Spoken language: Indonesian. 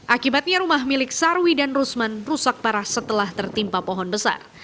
akibatnya rumah milik sarwi dan rusman rusak parah setelah tertimpa pohon besar